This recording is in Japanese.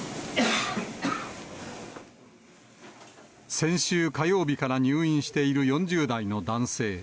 先週火曜日から入院している４０代の男性。